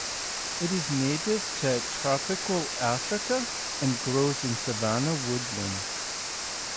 It is native to tropical Africa and grows in savanna woodlands.